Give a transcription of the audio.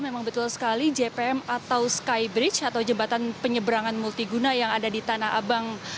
memang betul sekali jpm atau skybridge atau jembatan penyeberangan multiguna yang ada di tanah abang